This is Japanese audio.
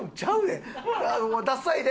ダサいで。